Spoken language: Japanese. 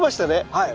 はい。